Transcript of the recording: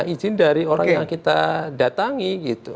izin dari orang yang kita datangi gitu